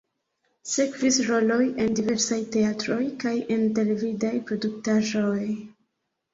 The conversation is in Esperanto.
Sekvis roloj en diversaj teatroj kaj en televidaj produktaĵoj.